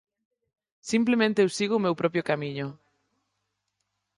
Simplemente eu sigo o meu propio camiño.